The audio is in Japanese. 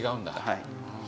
はい。